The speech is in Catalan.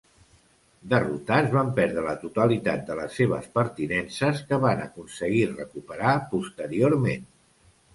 Derrotats van perdre la totalitat de les seves pertinences que van aconseguir recuperar posteriorment.